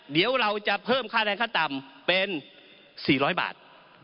เดี๋ยวเราจะเพิ่มค่าแรงขั้นต่ำเป็น๔๐๐บาท